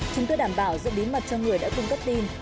chúng tôi đảm bảo giữ bí mật cho người đã cung cấp tin